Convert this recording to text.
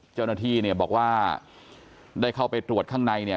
เจ้าหน้าที่เนี่ยบอกว่าได้เข้าไปตรวจข้างในเนี่ย